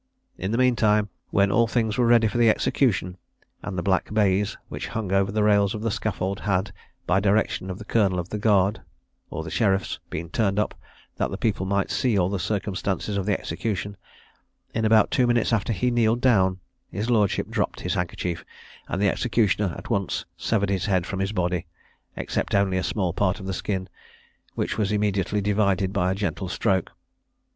In the mean time, when all things were ready for the execution, and the black baize which hung over the rails of the scaffold had, by direction of the colonel of the guard, or the sheriffs, been turned up, that the people might see all the circumstances of the execution, in about two minutes after he kneeled down, his lordship dropped his handkerchief, and the executioner at once severed his head from his body, except only a small part of the skin, which was immediately divided by a gentle stroke.